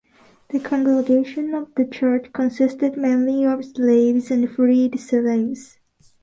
The congregation of the church consisted mainly of slaves and freed slaves.